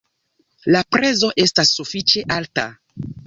La prezo estas sufiĉe alta.